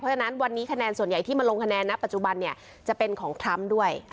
เพราะฉะนั้นวันนี้คะแนนส่วนใหญ่ที่มาลงคะแนนณปัจจุบันเนี่ยจะเป็นของทรัมป์ด้วย